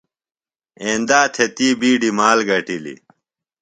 ایندا تھےۡ تی بِیڈیۡ مال گٹِلیۡ۔